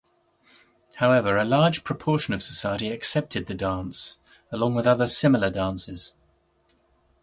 However, a large portion of society accepted the dance, along with other similar dances.